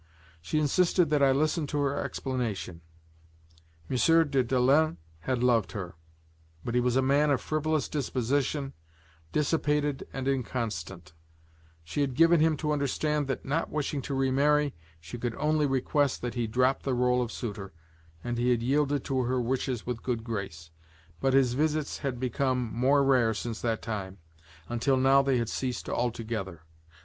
She insisted that I listen to her explanation. M. de Dalens had loved her; but he was a man of frivolous disposition, dissipated and inconstant, she had given him to understand that, not wishing to remarry, she could only request that he drop the role of suitor, and he had yielded to her wishes with good grace; but his visits had become more rare since that time, until now they had ceased altogether.